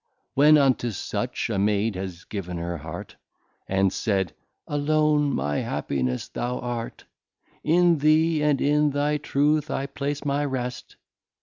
When unto such a Maid has given her Heart, And said, Alone my Happiness thou art, In thee and in thy Truth I place my Rest.